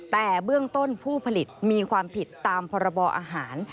แต่เบื้องต้นผู้ผลิตมีความผิดตามพรบอาหาร